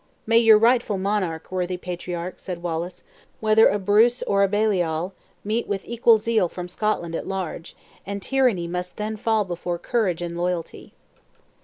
"May your rightful monarch, worthy patriarch," said Wallace, "whether a Bruce of a Baliol, meet with equal zeal from Scotland at large; and tyranny must then fall before courage and loyalty!"